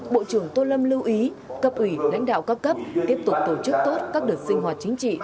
bộ trưởng tô lâm lưu ý cấp ủy lãnh đạo các cấp tiếp tục tổ chức tốt các đợt sinh hoạt chính trị